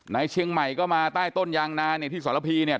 เชียงใหม่ก็มาใต้ต้นยางนาเนี่ยที่สรพีเนี่ย